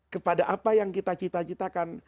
kepada apa yang kita cita citakan